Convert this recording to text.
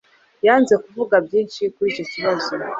Yanze kuvuga byinshi kuri icyo kibazo